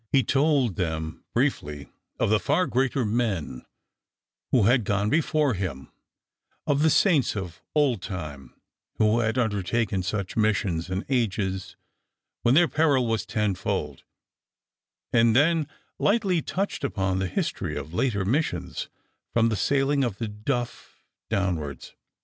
He told them briefly of the far greater men who had gone before him, of the saints of old time, who had undertaken such missions in ages when their peril was tenfold, and then lightly touched upon the history of later missions, from the sailing of the Duff downwards.